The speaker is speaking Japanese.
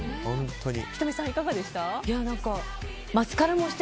仁美さん、いかがでした？